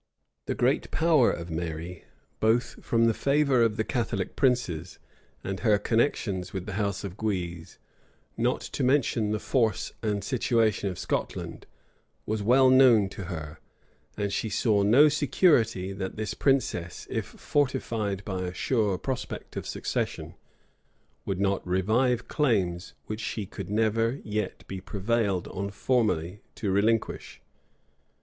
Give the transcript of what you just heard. The great power of Mary, both from the favor of the Catholic princes, and her connections with the house of Guise, not to mention the force and situation of Scotland, was well known to her; and she saw no security, that this princess, if fortified by a sure prospect of succession, would not revive claims which she could never yet be prevailed on formally to relinquish.